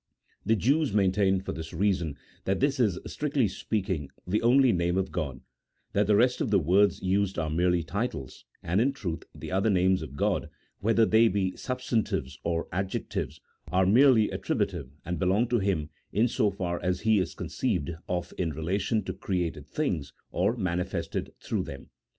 The Jews maintain, for this reason, that this is, strictly speaking, the only name of God ; that the rest of the words used are merely titles ; and, in truth, the other names of God, whether they be substantives or adjectives, are merely attributive, and belong to Him, in so far as He is conceived of in relation to created things, or manifested through them.